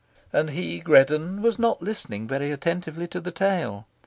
And he, Greddon, was not listening very attentively to the tale.